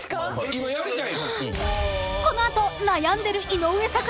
今やりたい？